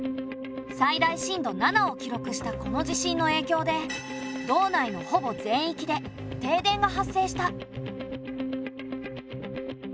最大震度７を記録したこの地震のえいきょうで道内のほぼ全域で停電が発生した。